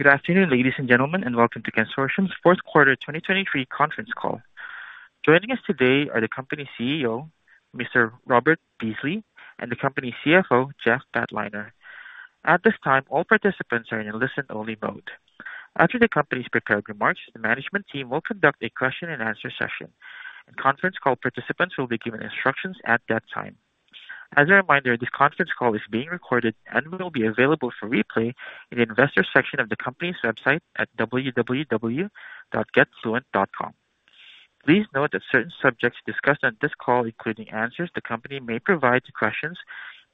Good afternoon, ladies and gentlemen, and welcome to Cansortium's fourth quarter 2023 conference call. Joining us today are the company's CEO, Mr. Robert Beasley, and the company's CFO, Jeff Batliner. At this time, all participants are in a listen-only mode. After the company's prepared remarks, the management team will conduct a question and answer session. Conference call participants will be given instructions at that time. As a reminder, this conference call is being recorded and will be available for replay in the investors section of the company's website at www.getfluent.com. Please note that certain subjects discussed on this call, including answers the company may provide to questions,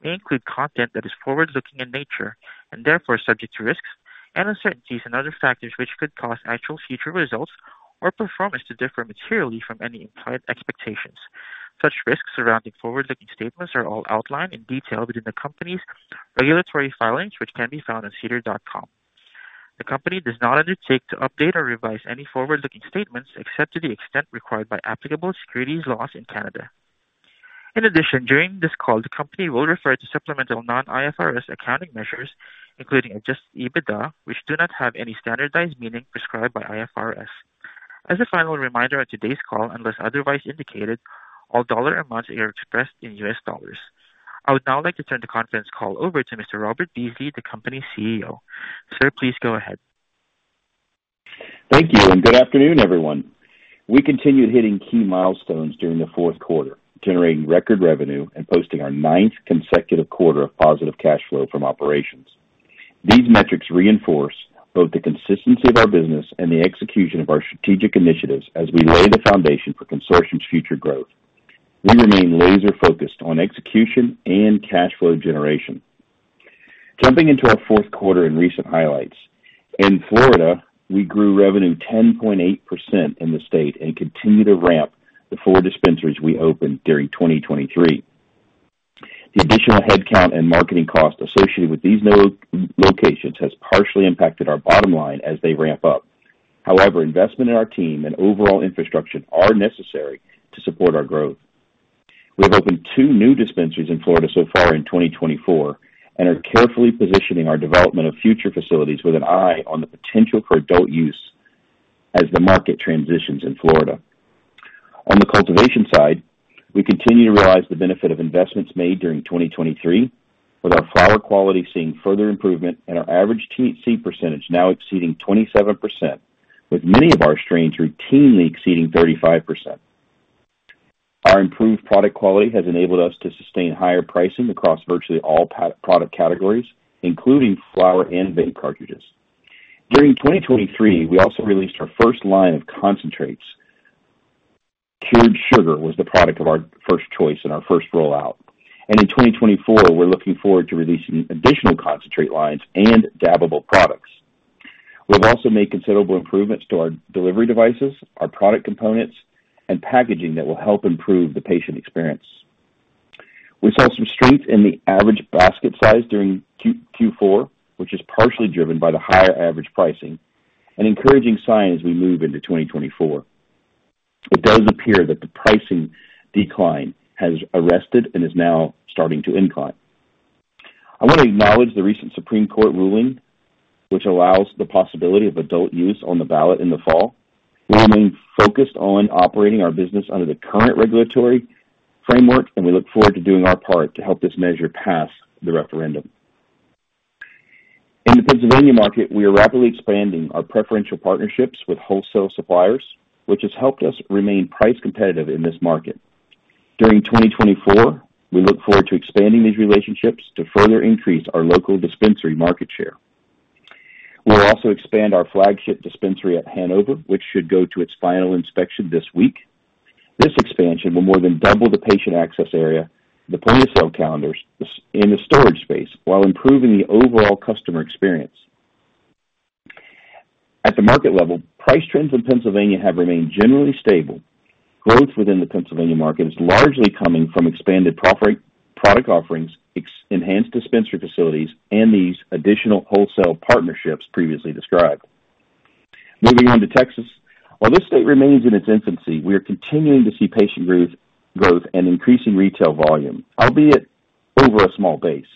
may include content that is forward-looking in nature, and therefore subject to risks and uncertainties and other factors which could cause actual future results or performance to differ materially from any implied expectations. Such risks surrounding forward-looking statements are all outlined in detail within the company's regulatory filings, which can be found on SEDAR.com. The company does not undertake to update or revise any forward-looking statements, except to the extent required by applicable securities laws in Canada. In addition, during this call, the company will refer to supplemental non-IFRS accounting measures, including Adjusted EBITDA, which do not have any standardized meaning prescribed by IFRS. As a final reminder, on today's call, unless otherwise indicated, all dollar amounts are expressed in U.S. dollars. I would now like to turn the conference call over to Mr. Robert Beasley, the company's CEO. Sir, please go ahead. Thank you, and good afternoon, everyone. We continued hitting key milestones during the fourth quarter, generating record revenue and posting our ninth consecutive quarter of positive cash flow from operations. These metrics reinforce both the consistency of our business and the execution of our strategic initiatives as we lay the foundation for Cansortium's future growth. We remain laser-focused on execution and cash flow generation. Jumping into our fourth quarter in recent highlights, in Florida, we grew revenue 10.8% in the state and continue to ramp the four dispensaries we opened during 2023. The additional headcount and marketing costs associated with these new locations has partially impacted our bottom line as they ramp up. However, investment in our team and overall infrastructure are necessary to support our growth. We have opened two new dispensaries in Florida so far in 2024 and are carefully positioning our development of future facilities with an eye on the potential for adult use as the market transitions in Florida. On the cultivation side, we continue to realize the benefit of investments made during 2023, with our flower quality seeing further improvement and our average T-THC percentage now exceeding 27%, with many of our strains routinely exceeding 35%. Our improved product quality has enabled us to sustain higher pricing across virtually all product categories, including flower and vape cartridges. During 2023, we also released our first line of concentrates. Cured Sugar was the product of our first choice in our first rollout, and in 2024, we're looking forward to releasing additional concentrate lines and dabbable products. We've also made considerable improvements to our delivery devices, our product components, and packaging that will help improve the patient experience. We saw some strength in the average basket size during Q4, which is partially driven by the higher average pricing, an encouraging sign as we move into 2024. It does appear that the pricing decline has arrested and is now starting to incline. I want to acknowledge the recent Supreme Court ruling, which allows the possibility of adult use on the ballot in the fall. We remain focused on operating our business under the current regulatory framework, and we look forward to doing our part to help this measure pass the referendum. In the Pennsylvania market, we are rapidly expanding our preferential partnerships with wholesale suppliers, which has helped us remain price competitive in this market. During 2024, we look forward to expanding these relationships to further increase our local dispensary market share. We'll also expand our flagship dispensary at Hanover, which should go to its final inspection this week. This expansion will more than double the patient access area, the point-of-sale counters and the storage space while improving the overall customer experience. At the market level, price trends in Pennsylvania have remained generally stable. Growth within the Pennsylvania market is largely coming from expanded product offerings, enhanced dispensary facilities, and these additional wholesale partnerships previously described. Moving on to Texas. While this state remains in its infancy, we are continuing to see patient growth and increasing retail volume, albeit over a small base.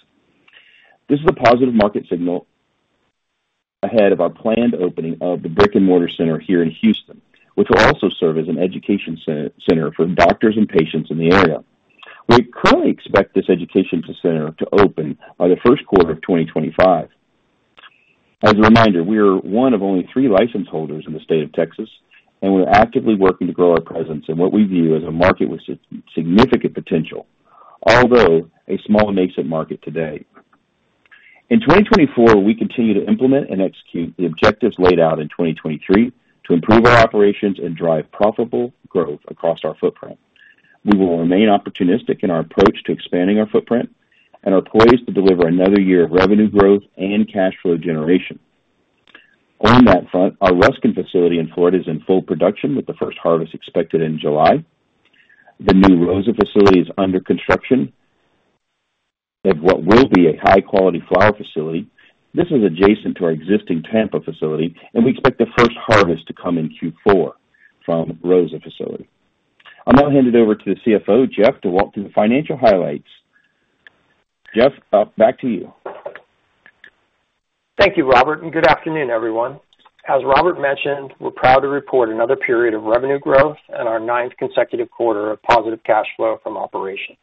This is a positive market signal ahead of our planned opening of the brick-and-mortar center here in Houston, which will also serve as an education center for doctors and patients in the area. We currently expect this education center to open by the first quarter of 2025. As a reminder, we are one of only three license holders in the state of Texas, and we're actively working to grow our presence in what we view as a market with significant potential, although a small nascent market today. In 2024, we continue to implement and execute the objectives laid out in 2023 to improve our operations and drive profitable growth across our footprint. We will remain opportunistic in our approach to expanding our footprint and are poised to deliver another year of revenue growth and cash flow generation. On that front, our Ruskin facility in Florida is in full production, with the first harvest expected in July. The new Rosa facility is under construction of what will be a high-quality flower facility. This is adjacent to our existing Tampa facility, and we expect the first harvest to come in Q4 from Rosa facility. I'll now hand it over to the CFO, Jeff, to walk through the financial highlights. Jeff, back to you. Thank you, Robert, and good afternoon, everyone. As Robert mentioned, we're proud to report another period of revenue growth and our ninth consecutive quarter of positive cash flow from operations.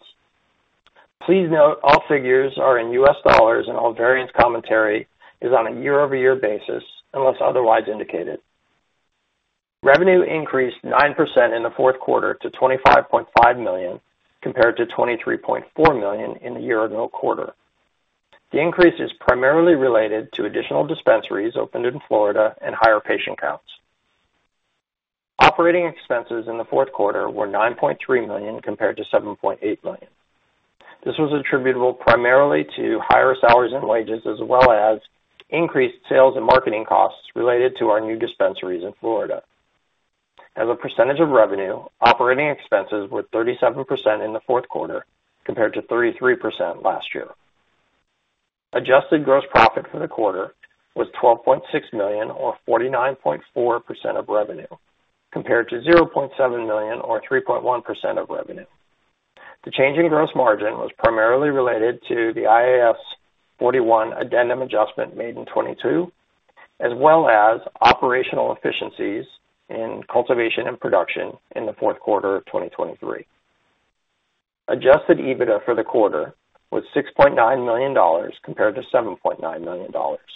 Please note, all figures are in US dollars, and all variance commentary is on a year-over-year basis, unless otherwise indicated. Revenue increased 9% in the fourth quarter to $25.5 million, compared to $23.4 million in the year-ago quarter. The increase is primarily related to additional dispensaries opened in Florida and higher patient counts. Operating expenses in the fourth quarter were $9.3 million compared to $7.8 million. This was attributable primarily to higher salaries and wages, as well as increased sales and marketing costs related to our new dispensaries in Florida. As a percentage of revenue, operating expenses were 37% in the fourth quarter, compared to 33% last year. Adjusted gross profit for the quarter was $12.6 million, or 49.4% of revenue, compared to $0.7 million or 3.1% of revenue. The change in gross margin was primarily related to the IAS 41 addendum adjustment made in 2022, as well as operational efficiencies in cultivation and production in the fourth quarter of 2023. Adjusted EBITDA for the quarter was $6.9 million compared to $7.9 million,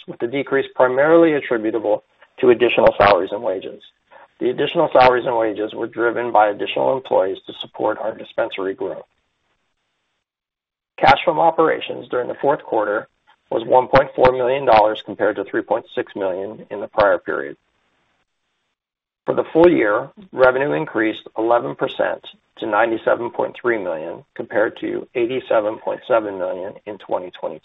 with the decrease primarily attributable to additional salaries and wages. The additional salaries and wages were driven by additional employees to support our dispensary growth. Cash from operations during the fourth quarter was $1.4 million, compared to $3.6 million in the prior period. For the full year, revenue increased 11% to $97.3 million, compared to $87.7 million in 2022.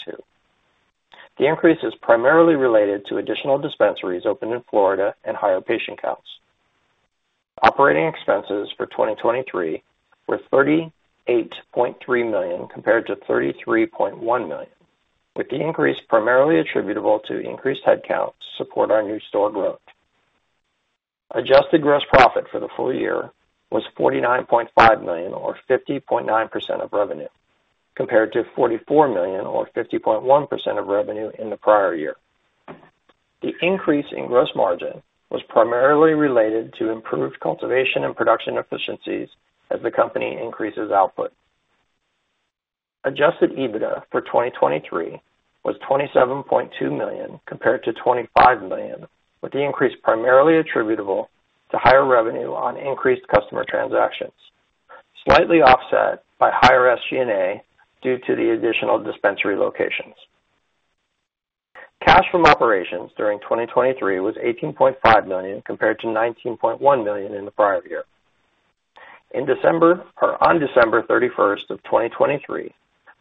The increase is primarily related to additional dispensaries opened in Florida and higher patient counts. Operating expenses for 2023 were $38.3 million compared to $33.1 million, with the increase primarily attributable to increased headcount to support our new store growth. Adjusted gross profit for the full year was $49.5 million or 50.9% of revenue, compared to $44 million or 50.1% of revenue in the prior year. The increase in gross margin was primarily related to improved cultivation and production efficiencies as the company increases output. Adjusted EBITDA for 2023 was $27.2 million, compared to $25 million, with the increase primarily attributable to higher revenue on increased customer transactions, slightly offset by higher SG&A due to the additional dispensary locations. Cash from operations during 2023 was $18.5 million, compared to $19.1 million in the prior year. On December 31, 2023,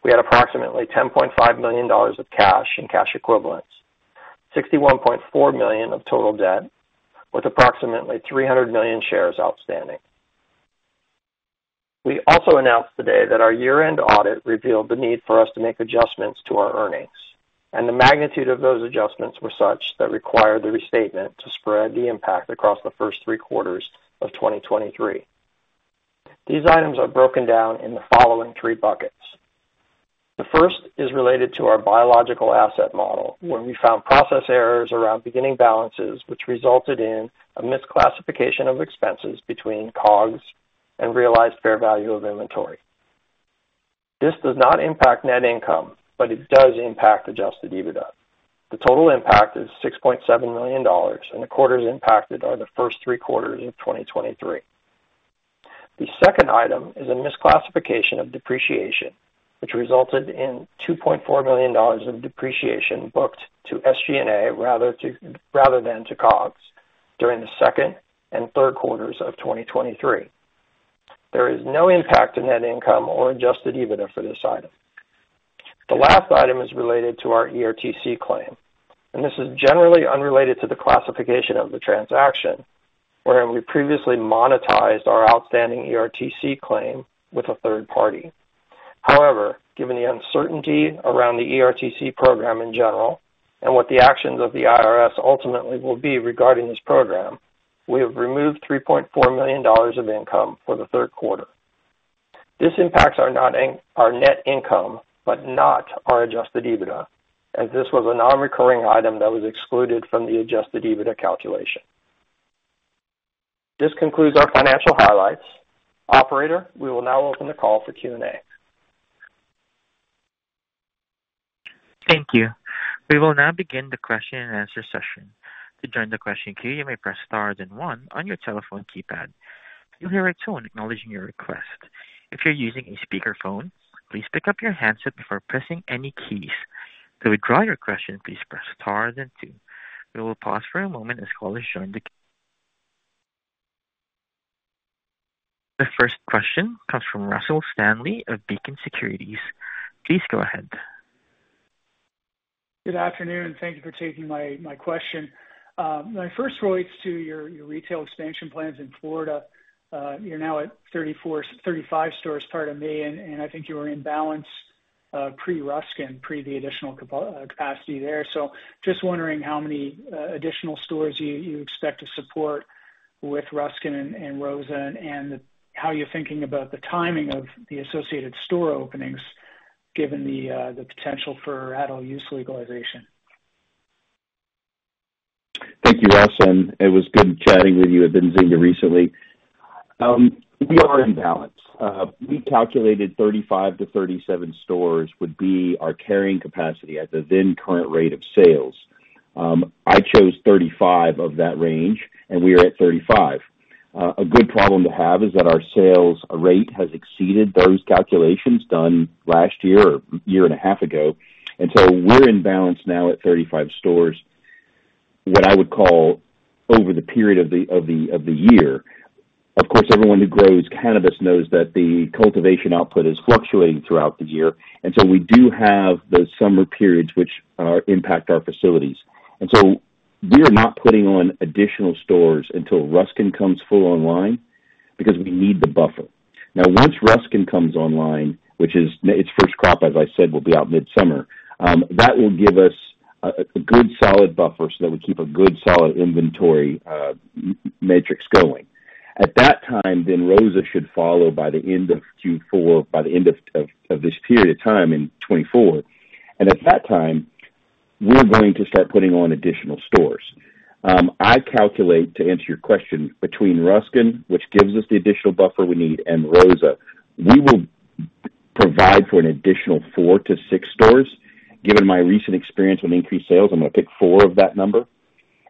we had approximately $10.5 million of cash and cash equivalents, $61.4 million of total debt, with approximately 300 million shares outstanding. We also announced today that our year-end audit revealed the need for us to make adjustments to our earnings, and the magnitude of those adjustments were such that required the restatement to spread the impact across the first three quarters of 2023. These items are broken down in the following three buckets. The first is related to our biological asset model, where we found process errors around beginning balances, which resulted in a misclassification of expenses between COGS and realized fair value of inventory. This does not impact net income, but it does impact adjusted EBITDA. The total impact is $6.7 million, and the quarters impacted are the first 3 quarters of 2023. The second item is a misclassification of depreciation, which resulted in $2.4 million of depreciation booked to SG&A, rather than to COGS, during the second and third quarters of 2023. There is no impact to net income or adjusted EBITDA for this item. The last item is related to our ERTC claim, and this is generally unrelated to the classification of the transaction, wherein we previously monetized our outstanding ERTC claim with a third party. However, given the uncertainty around the ERTC program in general and what the actions of the IRS ultimately will be regarding this program, we have removed $3.4 million of income for the third quarter. This impacts our net income, but not our Adjusted EBITDA, as this was a non-recurring item that was excluded from the Adjusted EBITDA calculation. This concludes our financial highlights. Operator, we will now open the call for Q&A. Thank you. We will now begin the question-and-answer session. To join the question queue, you may press star then one on your telephone keypad. You'll hear a tone acknowledging your request. If you're using a speakerphone, please pick up your handset before pressing any keys. To withdraw your question, please press star then two. We will pause for a moment as callers join the queue. The first question comes from Russell Stanley of Beacon Securities. Please go ahead. Good afternoon, thank you for taking my, my question. My first relates to your, your retail expansion plans in Florida. You're now at 34, 35 stores as of May, and, and I think you were in balance, pre-Ruskin, pre the additional capacity there. So just wondering how many additional stores you, you expect to support with Ruskin and, and Rosa, and, and how you're thinking about the timing of the associated store openings, given the potential for adult use legalization? Thank you, Russ, and it was good chatting with you at Benzinga recently. We are in balance. We calculated 35-37 stores would be our carrying capacity at the then current rate of sales. I chose 35 of that range, and we are at 35. A good problem to have is that our sales rate has exceeded those calculations done last year or a year and a half ago, and so we're in balance now at 35 stores, what I would call over the period of the year. Of course, everyone who grows cannabis knows that the cultivation output is fluctuating throughout the year, and so we do have those summer periods which impact our facilities. And so we are not putting on additional stores until Ruskin comes full online, because we need the buffer. Now, once Ruskin comes online, which is, its first crop, as I said, will be out midsummer, that will give us a, a good, solid buffer so that we keep a good, solid inventory, matrix going. At that time, then Rosa should follow by the end of Q4, by the end of, of, of this period of time in 2024, and at that time, we're going to start putting on additional stores. I calculate, to answer your question, between Ruskin, which gives us the additional buffer we need, and Rosa, we will provide for an additional 4-6 stores. Given my recent experience with increased sales, I'm gonna pick 4 of that number.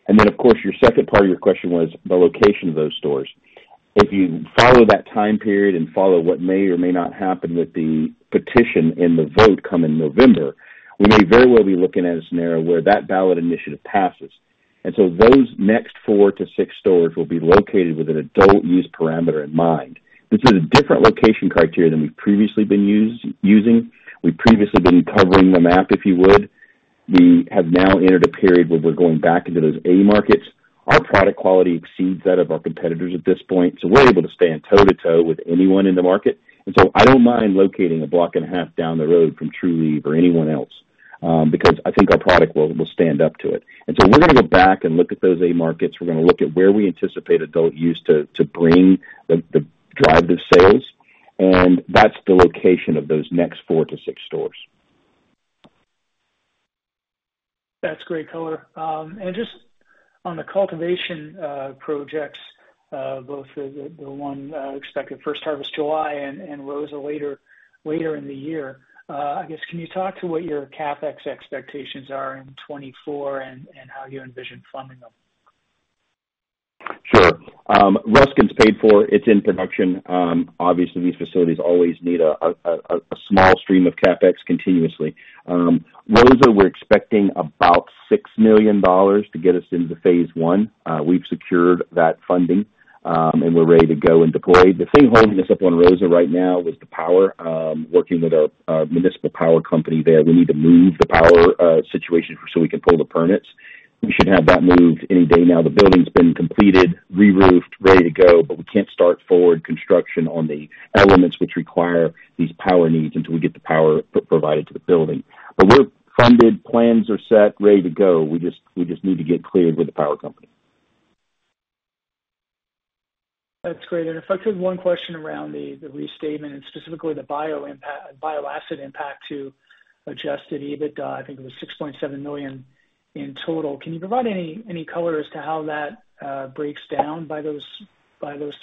And then, of course, your second part of your question was the location of those stores. If you follow that time period and follow what may or may not happen with the petition and the vote coming November, we may very well be looking at a scenario where that ballot initiative passes. And so those next 4-6 stores will be located with an adult use parameter in mind. This is a different location criteria than we've previously been using. We've previously been covering the map, if you would. We have now entered a period where we're going back into those A markets. Our product quality exceeds that of our competitors at this point, so we're able to stand toe-to-toe with anyone in the market. And so I don't mind locating a block and a half down the road from Trulieve or anyone else, because I think our product will stand up to it. So we're gonna go back and look at those A markets. We're gonna look at where we anticipate adult use to bring the drive the sales, and that's the location of those next 4-6 stores. That's great color. Just on the cultivation projects, both the one expected first harvest July and Rosa later in the year, I guess, can you talk to what your CapEx expectations are in 2024 and how you envision funding them? Sure. Ruskin's paid for. It's in production. Obviously, these facilities always need a small stream of CapEx continuously. Rosa, we're expecting about $6 million to get us into phase one. We've secured that funding, and we're ready to go and deploy. The thing holding us up on Rosa right now is the power. Working with our municipal power company there, we need to move the power situation so we can pull the permits. We should have that moved any day now. The building's been completed, reroofed, ready to go, but we can't start forward construction on the elements which require these power needs until we get the power provided to the building. But we're funded, plans are set, ready to go. We just need to get cleared with the power company. That's great. And if I could, one question around the restatement and specifically the biological asset impact to Adjusted EBITDA, I think it was $6.7 million in total. Can you provide any color as to how that breaks down by those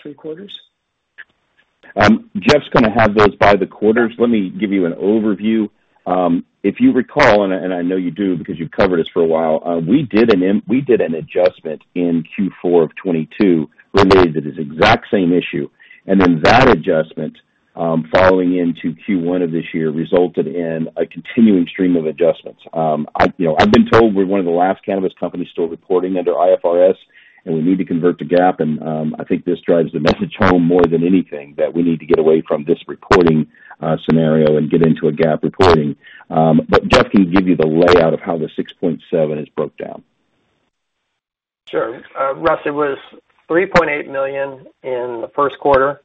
three quarters? Jeff's gonna have those by the quarters. Let me give you an overview. If you recall, and I know you do, because you've covered us for a while, we did an adjustment in Q4 of 2022 related to this exact same issue. Then that adjustment, following into Q1 of this year, resulted in a continuing stream of adjustments. You know, I've been told we're one of the last cannabis companies still reporting under IFRS, and we need to convert to GAAP, and I think this drives the message home more than anything, that we need to get away from this reporting scenario and get into a GAAP reporting. But Jeff can give you the layout of how the $6.7 is broke down. Sure. Russ, it was $3.8 million in the first quarter,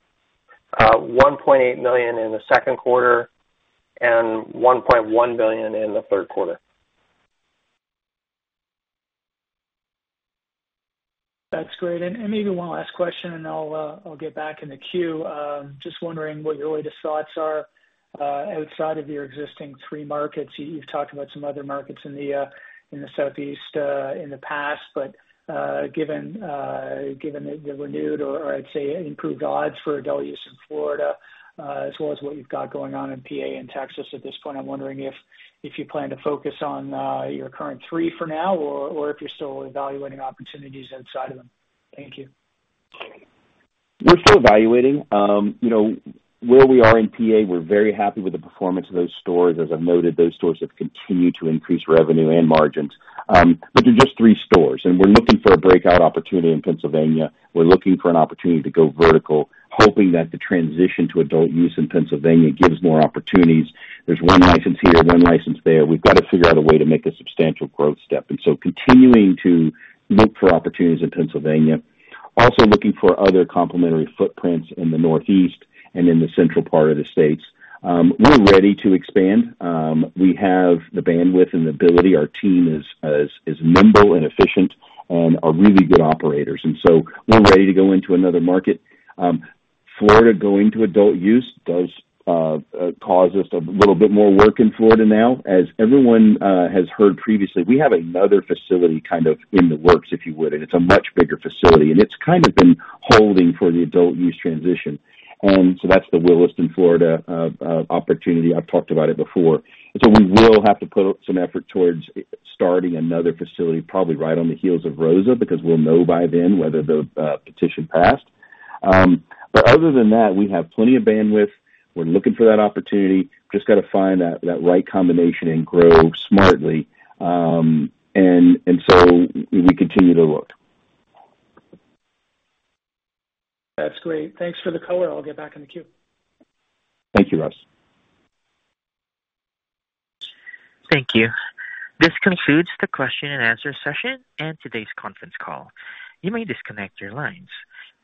$1.8 million in the second quarter, and $1.1 million in the third quarter. That's great. And maybe one last question, and I'll, I'll get back in the queue. Just wondering what your latest thoughts are, outside of your existing three markets. You, you've talked about some other markets in the, in the Southeast, in the past, but, given, given the, the renewed or, or I'd say improved odds for adult use in Florida, as well as what you've got going on in PA and Texas at this point, I'm wondering if, if you plan to focus on, your current three for now, or, or if you're still evaluating opportunities outside of them. Thank you. We're still evaluating. You know, where we are in PA, we're very happy with the performance of those stores. As I've noted, those stores have continued to increase revenue and margins. But they're just three stores, and we're looking for a breakout opportunity in Pennsylvania. We're looking for an opportunity to go vertical, hoping that the transition to adult use in Pennsylvania gives more opportunities. There's one license here, one license there. We've got to figure out a way to make a substantial growth step, and so continuing to look for opportunities in Pennsylvania. Also looking for other complementary footprints in the Northeast and in the central part of the states. We're ready to expand. We have the bandwidth and the ability. Our team is nimble and efficient and are really good operators, and so we're ready to go into another market. Florida going to adult use does cause us a little bit more work in Florida now. As everyone has heard previously, we have another facility kind of in the works, if you would, and it's a much bigger facility, and it's kind of been holding for the adult use transition. And so that's the Williston, Florida opportunity. I've talked about it before. And so we will have to put some effort towards starting another facility, probably right on the heels of Rosa, because we'll know by then whether the petition passed. But other than that, we have plenty of bandwidth. We're looking for that opportunity. Just got to find that right combination and grow smartly, and so we continue to look. That's great. Thanks for the color. I'll get back in the queue. Thank you, Russ. Thank you. This concludes the question and answer session and today's conference call. You may disconnect your lines.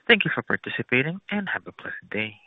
Thank you for participating, and have a pleasant day.